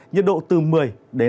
nhiệt độ từ một mươi hai mươi độ